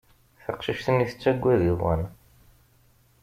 Taqcict-nni tettagad iḍan.